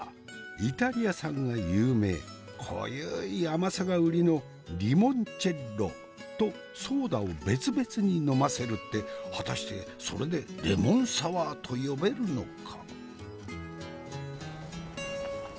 イタリア産が有名濃ゆい甘さが売りのリモンチェッロとソーダを別々にのませるって果たしてそれでレモンサワーと呼べるのか？